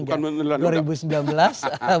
bukan menelan ludah